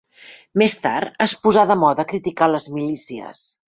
Més tard es posà de moda criticar les milícies